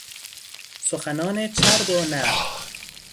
سخنان چرب و نرم